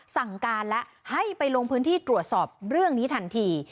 สั่งการแล้วให้ไปลงพื้นที่ตรวจสอบเรื่องนี้ทันที